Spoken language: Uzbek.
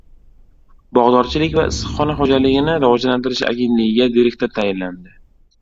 Bog‘dorchilik va issiqxona xo‘jaligini rivojlantirish agentligiga direktor tayinlandi